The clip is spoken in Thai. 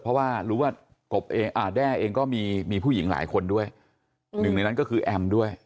เพราะว่ารู้ว่าแด้เองก็มีผู้หญิงหลายคนด้วยหนึ่งในนั้นก็คือแอมด้วย